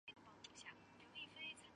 不久因母丧丁忧离职。